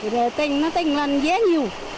thì tình nó tình lần dế nhiều